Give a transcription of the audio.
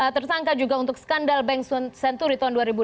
tersangka juga untuk skandal bank senturi tahun dua ribu delapan